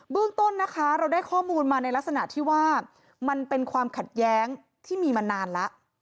เรื่องต้นนะคะเราได้ข้อมูลมาในลักษณะที่ว่ามันเป็นความขัดแย้งที่มีมานานแล้ว